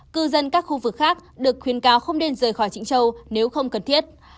cư dân các khu vực khác được khuyên cao không nên rời khỏi trịnh châu nếu không cần thiết